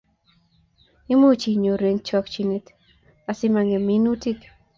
Imuchi inyoru eng chokchinet asimangem minutikkuk